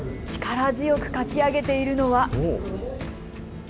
力強く書き上げているのは。